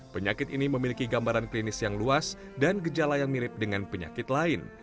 penyakit ini memiliki gambaran klinis yang luas dan gejala yang mirip dengan penyakit lain